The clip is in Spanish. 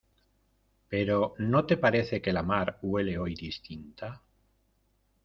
pero ¿ no te parece que la mar huele hoy distinta?